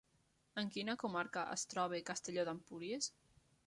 En quina comarca es troba Castelló d'Empúries?